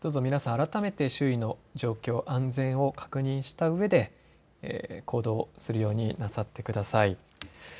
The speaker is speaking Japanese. どうぞ皆さん改めて周囲の状況、安全を確認したうえで行動するようになさってください。